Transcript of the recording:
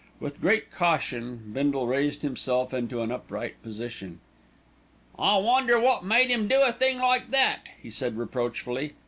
With great caution Bindle raised himself into an upright position. "I wonder wot made 'im do a thing like that," he said reproachfully.